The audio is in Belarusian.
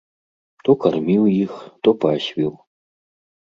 То карміў іх, то пасвіў.